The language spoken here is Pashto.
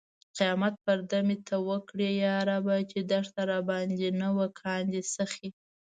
قیامت پرده مې ته اوکړې یا ربه! چې دښنه راباندې نه و کاندي سخې